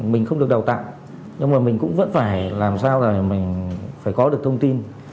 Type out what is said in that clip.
mình không được đào tạo nhưng mà mình cũng vẫn phải làm sao là mình phải có được thông tin